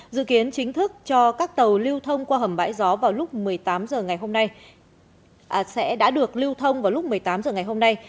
dự kiến chính thức cho các tàu lưu thông qua hầm bãi gió vào lúc một mươi tám h ngày hôm nay